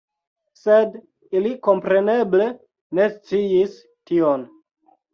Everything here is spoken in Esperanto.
Sed ili kompreneble ne sciis tion.